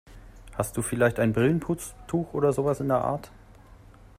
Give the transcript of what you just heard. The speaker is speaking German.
Hast du vielleicht ein Brillenputztuch oder sowas in der Art?